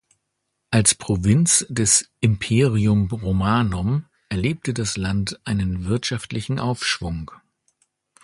Als Provinz des "Imperium Romanum" erlebte das Land einen wirtschaftlichen Aufschwung.